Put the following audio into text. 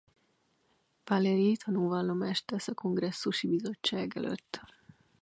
Valerie tanúvallomást tesz a kongresszusi bizottság előtt.